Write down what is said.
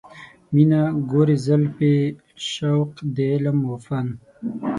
مینه، ګورې زلفې، شوق د علم و فن